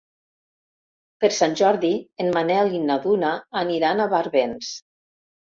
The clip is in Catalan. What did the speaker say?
Per Sant Jordi en Manel i na Duna aniran a Barbens.